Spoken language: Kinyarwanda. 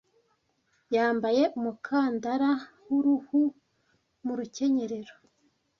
Yambaye umukandara w'uruhu mu rukenyerero.